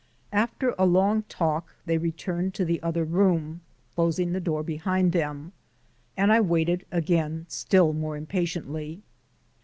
After a long talk they returned to the other room, closing the door behind them, and I waited again, still more impatiently.